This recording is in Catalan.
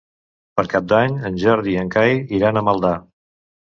Per Cap d'Any en Jordi i en Cai iran a Maldà.